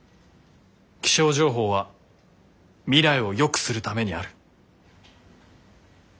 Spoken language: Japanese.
気象情報は未来をよくするためにある。